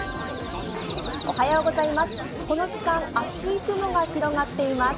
この時間、厚い雲が広がっています。